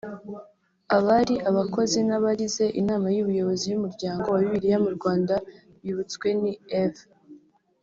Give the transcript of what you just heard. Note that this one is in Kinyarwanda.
Abari abakozi n’abagize inama y’ubuyobozi y’Umuryango wa Bibiliya mu Rwanda bibutswe ni Ev